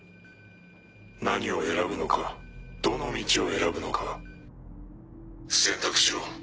何を選ぶのかどの道を選ぶのか選択しろ。